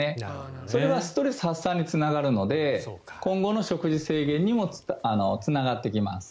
それはストレス発散につながるので今後の食事制限にもつながっていきます。